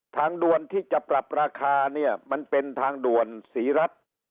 ทางด่วนที่จะปรับราคาเนี่ยมันเป็นทางด่วนศรีรัฐ